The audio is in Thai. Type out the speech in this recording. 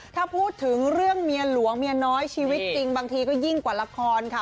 ถ้าพูดถึงเรื่องเมียหลวงเมียน้อยชีวิตจริงบางทีก็ยิ่งกว่าละครค่ะ